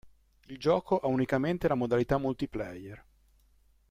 Il gioco ha unicamente la modalità multiplayer.